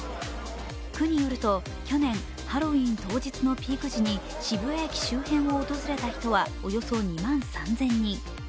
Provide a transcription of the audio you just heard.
区によると去年、ハロウィーン当日のピーク時に渋谷駅周辺を訪れた人はおよそ２万３０００人。